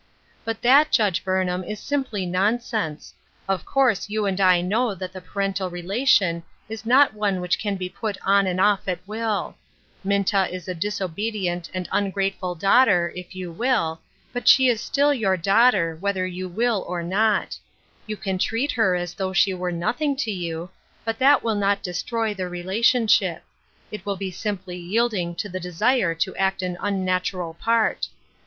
" But that, Judge Burnham, is simply nonsense ; of course you and I know that the parental relation is not one which can be put on and off at will ; Minta is a disobedient and ungrateful daughter, if you will, but she is still your daughter, whether you will or not ; you can treat her as though she 264 DAYS OF PRIVILEGE. were nothing to you, but that will not destroy the relationship ; it will be simply yielding to the desire to act an unnatural part.